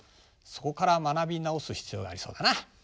そこから学び直す必要がありそうだな。